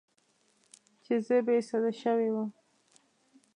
چې زه بې سده شوې وم.